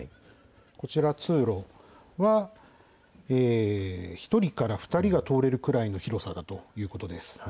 こちら通路は、１人から２人が通れるくらいの広さだということです。